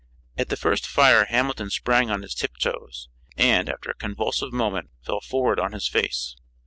At the first fire Hamilton sprang on his tip toes, and, after a convulsive movement, fell forward on his face.